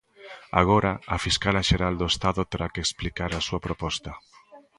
Agora, a fiscala xeral do Estado terá que explicar a súa proposta.